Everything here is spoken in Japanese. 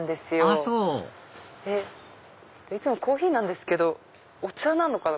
あそういつもコーヒーなんですけどお茶なのかな？